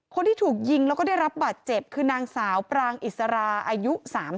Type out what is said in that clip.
คนที่ถูกยิงแล้วก็ได้รับบาดเจ็บคือนางสาวปรางอิสราอายุ๓๐